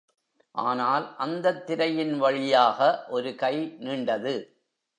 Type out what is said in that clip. ஆனால், அந்தத் திரையின் வழியாக ஒரு கை நீண்டது.